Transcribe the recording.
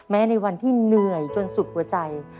ในวันที่เหนื่อยจนสุดหัวใจ